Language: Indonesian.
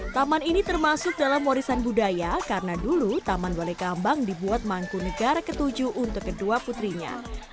taman ini termasuk dalam warisan budaya karena dulu taman balai kambang dibuat mangku negara ketujuh untuk kedua putrinya